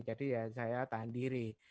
jadi ya saya tahan diri